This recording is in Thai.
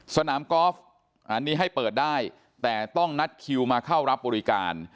สนามกอล์ฟอันนี้ให้เปิดได้แต่ต้องนัดคิวมาเข้ารับบริการ